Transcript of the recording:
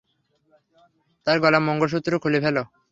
তার গলার মঙ্গলসূত্র খুলে ফেলো।